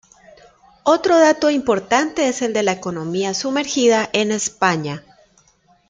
Otro dato importante es el de la economía sumergida en España.